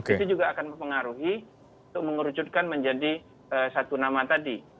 itu juga akan mempengaruhi untuk mengerucutkan menjadi satu nama tadi